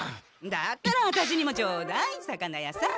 だったらアタシにもちょうだい魚屋さん。